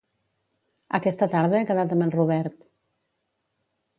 Aquesta tarda he quedat amb en Robert.